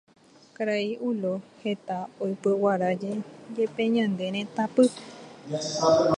Karai Ulo heta oipyguarajepe ñane retãpy